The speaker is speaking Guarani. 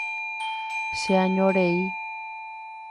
cheañorei